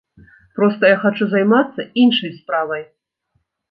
Проста я хачу займацца іншай справай.